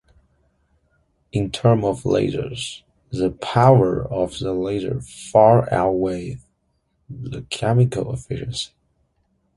In terms of lasers, the power of the laser far outweighs the chemical efficiency.